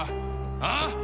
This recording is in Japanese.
ああ！？